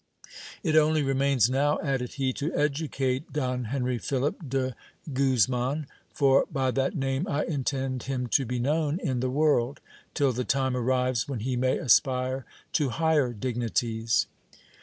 It only remains now, added he, to educate Don Henry Philip de Guzman ; for by that name I intend him to be known in the world, till the time arrives when he may aspire to higher dignities.